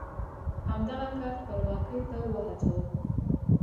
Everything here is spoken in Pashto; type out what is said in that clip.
همدغه کار خپلواکۍ ته وهڅول.